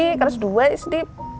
sd kelas dua sd